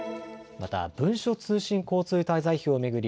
また文書通信交通滞在費を巡り